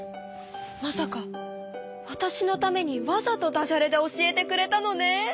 まさかわたしのためにわざとダジャレで教えてくれたのね！